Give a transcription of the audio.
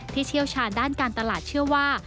เชี่ยวชาญด้านการตลาดเชื่อว่า